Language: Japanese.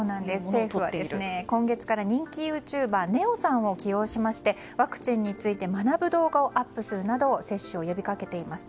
政府は今月から人気ユーチューバーねおさんを起用しまして、ワクチンについて学ぶ動画をアップするなど接種を呼びかけています。